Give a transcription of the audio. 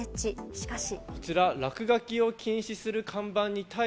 しかし。